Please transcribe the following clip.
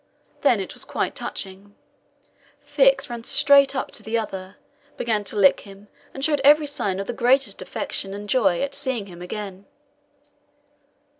Then it was quite touching. Fix ran straight up to the other, began to lick him, and showed every sign of the greatest affection and joy at seeing him again.